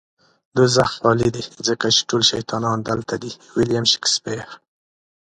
دوزخ خالی دی ځکه چې ټول شيطانان دلته دي. ويلييم شکسپير